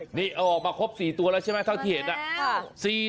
ฮะนี่เอาออกมาครบ๔ตัวแล้วใช่ไหมถ้าเครียด